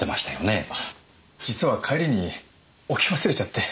あ実は帰りに置き忘れちゃって。